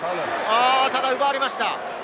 ただ奪われました。